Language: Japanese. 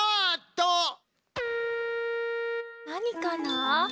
なにかな？